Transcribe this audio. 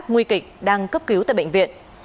các nguy kịch đang cấp cứu tại bệnh viện